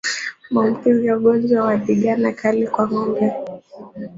Maambukizi ya ugonjwa wa ndigana kali kwa ngombe